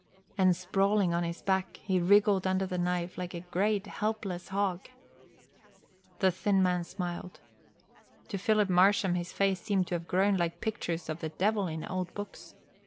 And sprawling on his back, he wriggled under the knife like a great, helpless hog. The thin man smiled. To Phil Marsham his face seemed to have grown like pictures of the Devil in old books.